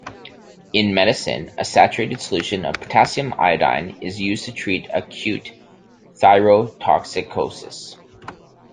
In medicine, a saturated solution of potassium iodide is used to treat acute thyrotoxicosis.